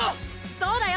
そうだよ！